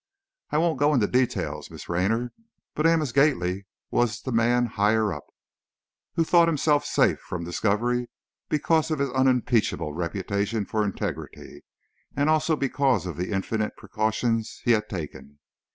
I won't go into details, Miss Raynor, but Amos Gately was the 'man higher up,' who thought himself safe from discovery because of his unimpeachable reputation for integrity, and also because of the infinite precautions he had taken.